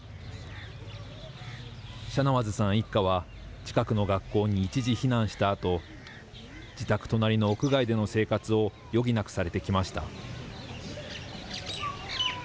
シャナワズさん一家は近くの学校に一時避難したあと、自宅隣の屋外での生活を余儀なくされてきました。